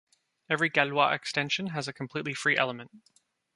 Every Galois extension has a completely free element.